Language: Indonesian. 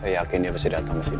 saya yakin dia pasti datang ke sini